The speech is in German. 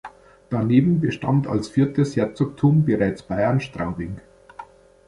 Daneben bestand als viertes Herzogtum bereits Bayern-Straubing.